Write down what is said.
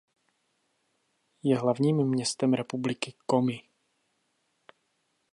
Je hlavním městem republiky Komi.